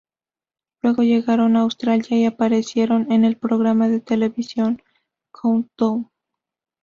Luego, llegaron a Australia y aparecieron en el programa de televisión "Countdown".